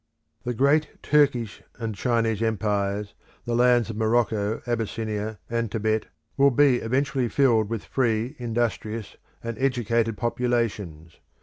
The great Turkish and Chinese Empires, the lands of Morocco, Abyssinia, and Tibet, will be eventually filled with free, industrious, and educated populations.